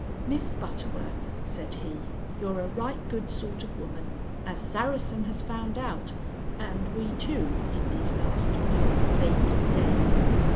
"Miss Butterworth," said he, "you're a right good sort of woman, as Saracen has found out, and we, too, in these last few plaguy days.